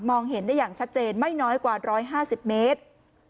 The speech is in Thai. เห็นได้อย่างชัดเจนไม่น้อยกว่า๑๕๐เมตร